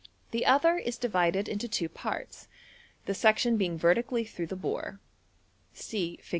The other is divided into two parts, the section being vertically through the bore. (See Fig.